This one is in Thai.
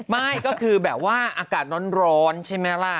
ไม่ก็คือแบบว่าอากาศร้อนใช่ไหมล่ะ